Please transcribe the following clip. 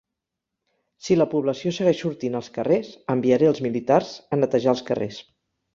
Si la població segueix sortint als carrers, enviaré als militars a netejar els carrers.